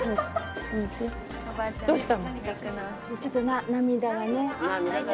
ちょっと涙がね。